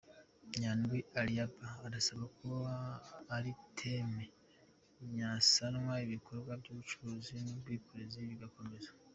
Nyandwi Eliab arasaba ko iri teme ryasanwa ibikorwa by’ubucuruzi n’ubwikorezi bigakomeza.